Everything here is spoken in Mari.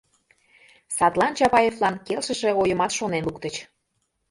Садлан Чапаевлан келшыше ойымат шонен луктыч: